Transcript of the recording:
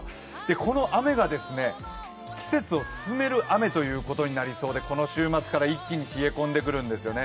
この雨が季節を進める雨ということになりそうでこの週末から一気に冷え込んでくるんですよね